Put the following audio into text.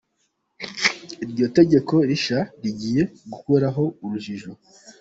Iryo tegeko rishya rigiye gukuraho urujijo….